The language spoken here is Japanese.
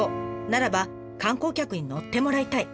ならば観光客に乗ってもらいたい。